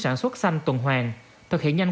sản xuất xanh tuần hoàng thực hiện nhanh